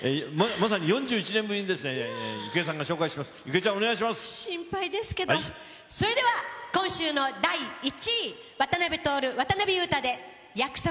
まさに４１年ぶりに郁恵さんが紹介します、郁恵ちゃん、お願いし心配ですけど、それでは、今週の第１位、渡辺徹、渡辺裕太で約束。